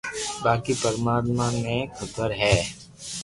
باقي پرماتما ني خبر ھي